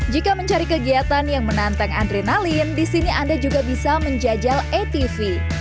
jika mencari kegiatan yang menantang adrenalin di sini anda juga bisa menjajal atv